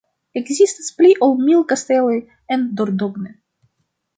Ekzistas pli ol mil kasteloj en Dordogne.